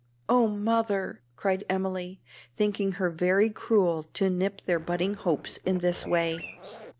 "Oh, mother!" cried Emily, thinking her very cruel to nip their budding hopes in this way.